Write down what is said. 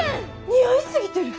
似合い過ぎてる！